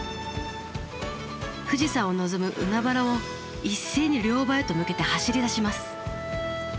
富士山を望む海原を一斉に漁場へと向けて走りだします。